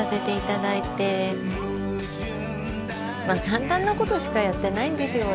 簡単なことしかやってないんですよ